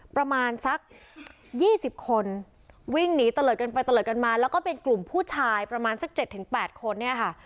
ประมาณสัก๒๐คนวิ่งหนีตะเลิดกันไปตะเลิดกันมาแล้วก็เป็นกลุ่มผู้ชายประมาณสัก๗๘คนเนี่ยค่ะ